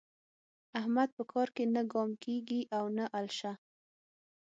احمد په کار کې نه ګام کېږي او نه الشه.